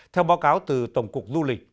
theo báo cáo từ tổng cục du lịch